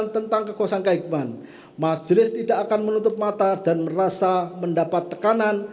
tentang kekuasaan kehaiman majelis tidak akan menutup mata dan merasa mendapat tekanan